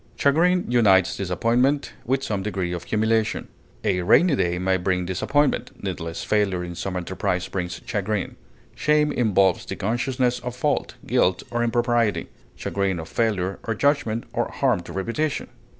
Chagrin unites disappointment with some degree of humiliation. A rainy day may bring disappointment; needless failure in some enterprise brings chagrin. Shame involves the consciousness of fault, guilt, or impropriety; chagrin of failure of judgment, or harm to reputation.